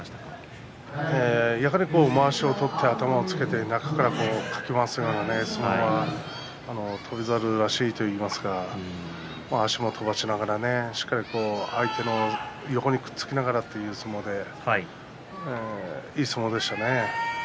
やはりまわしを取って頭をつけて中から、かき回すような相撲が翔猿らしいといいますか足も飛ばしながらしっかり相手の横にくっつきながらという相撲でいい相撲でしたね。